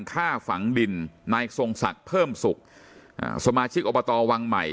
ฆ่าฝังดินนายทรงศักดิ์เพิ่มสุขอ่าสมาชิกอบตวังใหม่